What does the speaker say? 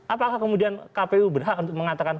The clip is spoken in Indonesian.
apakah kemudian kpu berhak untuk mengatakan